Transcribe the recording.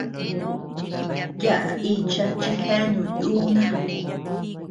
Yaʼa icha chi jeanu yuuna.